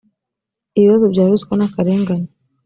ibibazo bya ruswa n’akarengane